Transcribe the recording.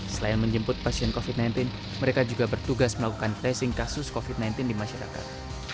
selain menjemput pasien covid sembilan belas mereka juga bertugas melakukan tracing kasus covid sembilan belas di masyarakat